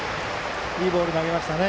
いいボールを投げましたね。